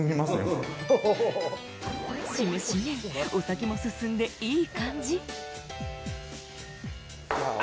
しめしめ、お酒も進んでいい感じ。